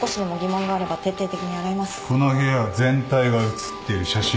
この部屋全体が写っている写真を探せ。